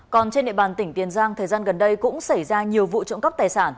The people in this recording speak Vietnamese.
còn trên địa bàn tỉnh tiền giang thời gian gần đây cũng xảy ra nhiều vụ trộm cắp tài sản